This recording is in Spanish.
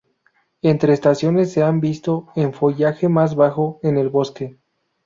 Entre estaciones se han visto en follaje más bajo en el bosque.